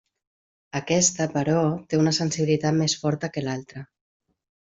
Aquesta, però, té una sensibilitat més forta que l'altre.